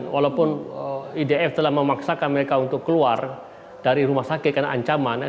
walaupun idf telah memaksakan mereka untuk keluar dari rumah sakit karena ancaman